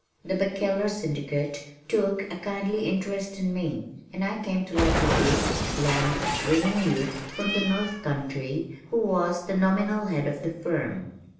The "Bacheller Syndicate" took a kindly interest in me, and I came to like the big, blonde, dreaming youth from The North Country who was the nominal head of the firm.